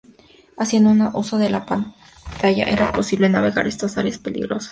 Haciendo uso de la pantalla, era posible navegar estas áreas peligrosas.